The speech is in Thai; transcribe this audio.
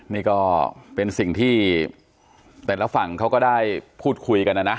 นี่ก็เป็นสิ่งที่แต่ละฝั่งเขาก็ได้พูดคุยกันนะนะ